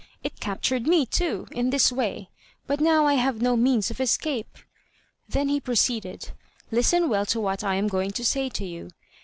It captured me, too, in this way, but now I have no means of escape." Then he proceeded: "Listen well to what I am going to say to you.